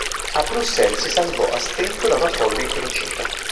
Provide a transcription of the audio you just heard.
A Bruxelles si salvò a stento da una folla inferocita.